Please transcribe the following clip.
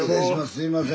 すいません。